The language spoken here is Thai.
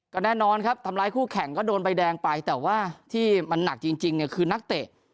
ก็แน่นอนครับทำร้ายคู่แข่งก็โดนใบแดงไปแต่ว่าที่มันหนักจริงเนี่ยคือนักเตะ